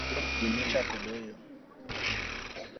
bang' wige adek ji ne ochako doyo